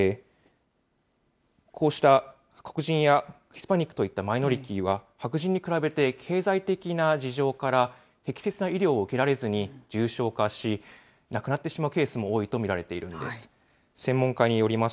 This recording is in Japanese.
こうした黒人やヒスパニックといったマイノリティーは、白人に比べて経済的な事情から、適切な医療を受けられずに重症化し、亡くなってしまうケースも多いと見られているんです。